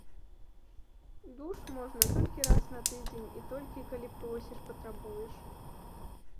Душ можна толькі раз на тыдзень і толькі калі просіш-патрабуеш.